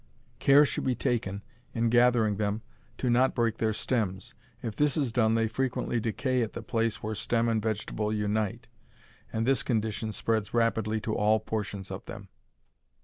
Care should be taken, in gathering them, to not break their stems. If this is done they frequently decay at the place where stem and vegetable unite, and this condition spreads rapidly to all portions of them.